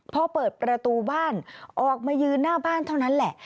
พอเปิดประตูบ้านออกมายืนหน้าบ้านเท่านั้นแหละ